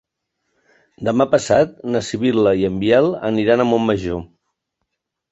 Demà passat na Sibil·la i en Biel aniran a Montmajor.